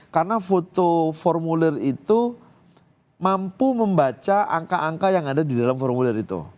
karena foto formulir itu mampu membaca angka angka yang ada di dalam formulir itu